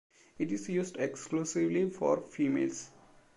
It is used exclusively for females.